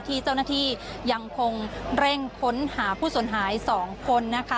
ที่เจ้าหน้าที่ยังคงเร่งค้นหาผู้สนหาย๒คนนะคะ